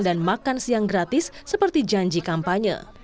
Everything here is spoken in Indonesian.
dan makan siang gratis seperti janji kampanye